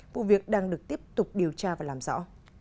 vụ việc đang được tiếp tục điều tra và làm rõ